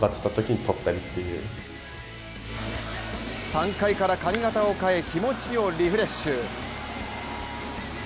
３回から髪形を変え、気持ちをリフレッシュ。